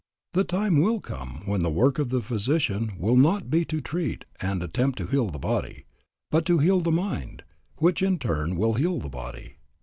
The time will come when the work of the physician will not be to treat and attempt to heal the body, but to heal the mind, which in turn will heal the body.